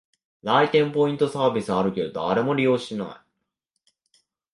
来店ポイントサービスあるけど、誰も利用してない